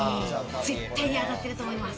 絶対に当たってると思います。